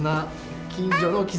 近所の絆